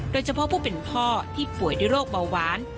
โดยเฉพาะผู้เป็นพ่อที่ป่วยด้วยโรคเบาหวาน